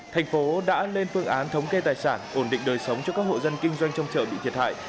thành phố đã lên phương án thống kê tài sản ổn định đời sống cho các hộ dân kinh doanh trong chợ bị thiệt hại